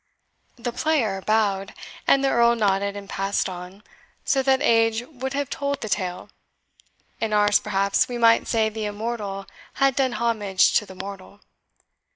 The PLAYER bowed, and the Earl nodded and passed on so that age would have told the tale; in ours, perhaps, we might say the immortal had done homage to the mortal.